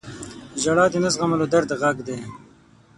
• ژړا د نه زغملو درد غږ دی.